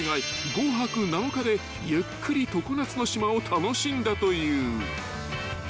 ５泊７日でゆっくり常夏の島を楽しんだという］